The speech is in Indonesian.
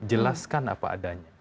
jelaskan apa adanya